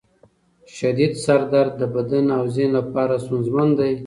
شدید سر درد د بدن او ذهن لپاره ستونزمن دی.